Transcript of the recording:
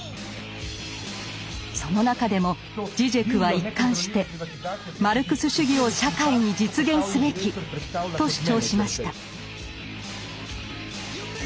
その中でもジジェクは一貫して「マルクス主義を社会に実現すべき」と主張しました。